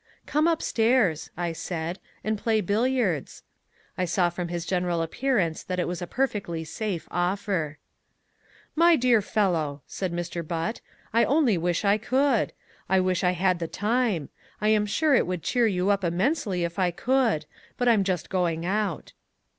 "Come upstairs," I said, "and play billiards." I saw from his general appearance that it was a perfectly safe offer. "My dear fellow," said Mr. Butt, "I only wish I could. I wish I had the time. I am sure it would cheer you up immensely if I could. But I'm just going out."